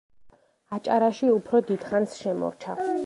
აჭარაში უფრო დიდხანს შემორჩა.